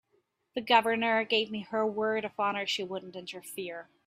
The Governor gave me her word of honor she wouldn't interfere.